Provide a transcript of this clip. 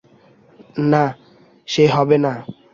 না, সে হবে না।